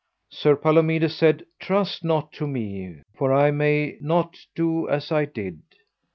Sir Palomides said: Trust not to me, for I may not do as I did.